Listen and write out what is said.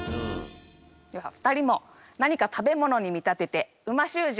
では２人も何か食べ物に見立てて美味しゅう字をお願いします。